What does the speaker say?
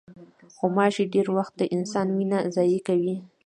غوماشې ډېری وخت د انسان وینه ضایع کوي.